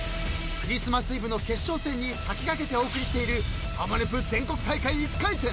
［クリスマスイブの決勝戦に先駆けてお送りしている『ハモネプ』全国大会１回戦］